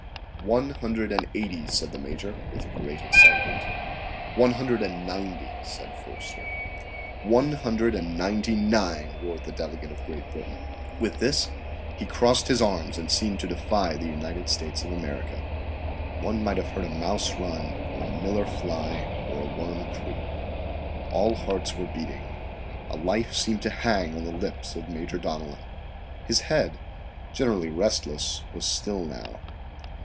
"One hundred and eighty," said the Major, with great excitement. "One hundred and ninety," said Forster. "One hundred and ninety nine," roared the delegate of Great Britain. With this he crossed his arms and seemed to defy the United States of America. One might have heard a mouse run, or a miller fly, or a worm creep. All hearts were beating. A life seemed hanging on the lips of Major Donellan. His head, generally restless, was still now.